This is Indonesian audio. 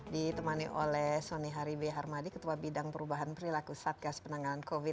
ditemani oleh sony haribe harmadi ketua bidang perubahan perilaku satgas penanganan covid sembilan belas